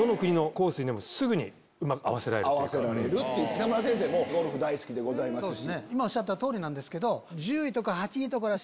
北村先生もゴルフ大好きでございますし。